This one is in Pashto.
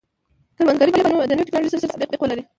کروندګري باید د نوې ټکنالوژۍ سره تطابق ولري.